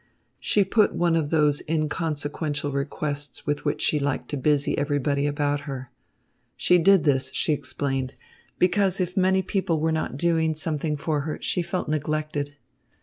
She put one of those inconsequential requests with which she liked to busy everybody about her. She did this, she explained, because if many people were not doing something for her, she felt neglected.